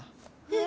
え？